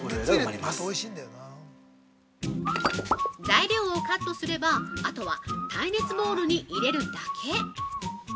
◆材料をカットすれば、あとは耐熱ボウルへ入れるだけ。